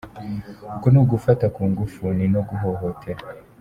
Uko ni ugufata ku ngufu ni no kuguhohotera.